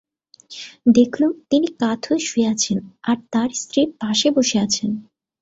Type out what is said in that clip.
দেখল, তিনি কাত হয়ে শুয়ে আছেন আর তাঁর স্ত্রী পাশে বসে আছেন।